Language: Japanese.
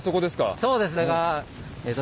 そうですね。